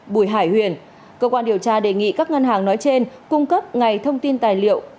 bùi hải huyền cơ quan điều tra đề nghị các ngân hàng nói trên cung cấp ngày thông tin tài liệu